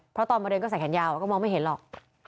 เพราะตอนมาเดินก็ใส่แขนยาวแล้วก็มองไม่เห็นหรอก